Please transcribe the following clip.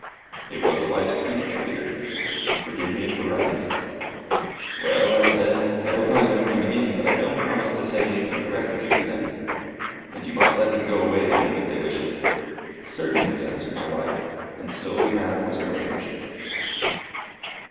It was a wife's speech, reader. Forgive me for writing it. "Well," I said, "I don't mind them coming in, but I don't promise to say anything directly to them. And you must let them go away the moment they wish it." "Certainly," answered my wife; and so the matter was arranged.